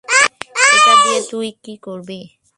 এটা দিয়ে তুই কি করবি?